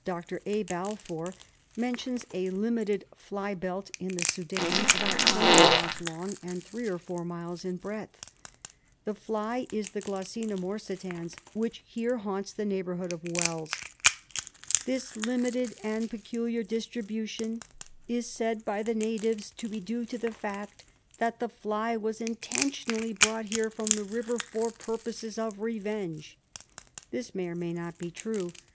Dr. A. Balfour mentions a limited fly belt in the Sudan, about twenty miles long and three or four miles in breadth. The fly is the G. morsitavs, which here haunts the neighbourhood of wells. "This limited and peculiar distribution is said by the natives to be due to the fact that the fly was intentionally brought here from the river for purposes of revenge ! This may or may not be true